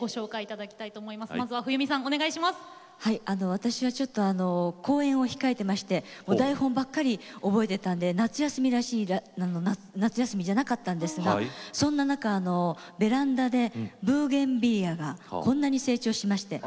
私はちょっと公演を控えてましてお台本ばっかり覚えてたんで夏休みらしい夏休みじゃなかったんですがそんな中ベランダでブーゲンビリアがこんなに成長しまして。